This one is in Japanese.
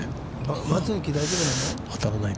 松の木、大丈夫なの？